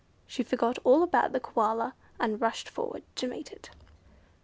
She forgot all about the Koala, and rushed forward to meet it.